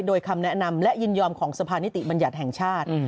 โดยคำแนะนำและยินยอมของสภานิติบัญญัติแห่งชาติ